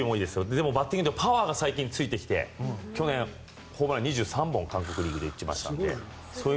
でもバッティングで最近パワーがついてきて去年、ホームラン２３本韓国リーグで打ちましたので。